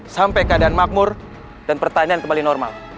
sampai keadaan makmur dan pertanian kembali normal